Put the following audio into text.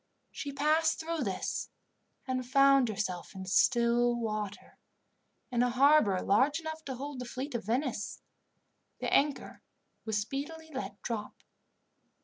She passed through this and found herself in still water, in a harbour large enough to hold the fleet of Venice. The anchor was speedily let drop.